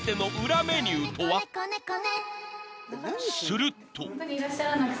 ［すると！］